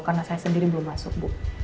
karena saya sendiri belum masuk bu